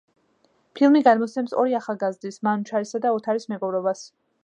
ფილმი გადმოსცემს ორი ახალგაზრდის, მანუჩარისა და ოთარის მეგობრობას.